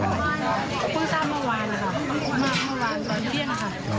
คาดกลางโรคคาร